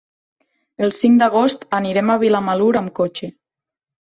El cinc d'agost anirem a Vilamalur amb cotxe.